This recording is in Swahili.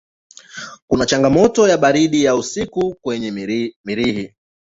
Kuna changamoto ya baridi ya usiku kwenye Mirihi.